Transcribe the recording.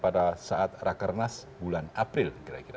pada saat rakernas bulan april kira kira